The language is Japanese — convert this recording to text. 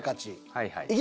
はいはい。